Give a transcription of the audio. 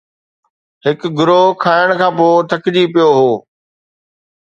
هڪ گروهه کائڻ کان پوءِ ٿڪجي پيو هو